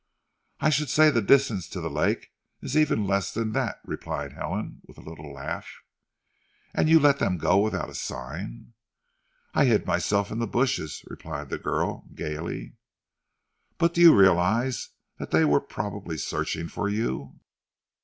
"I should say the distance to the lake is even less than that," replied Helen with a little laugh. "And you let them go without a sign." "I hid myself in the bushes," replied the girl, gaily. "But do you realize that they were probably, searching for you?"